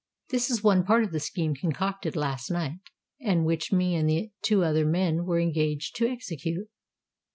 This is one part of the scheme concocted last night, and which me and the two other men were engaged to execute."